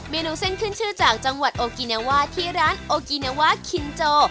เมนูเส้นขึ้นชื่อจากจังหวัดโอกินาวาที่ร้านโอกินาวาคินโจ